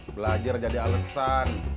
belajar jadi alesan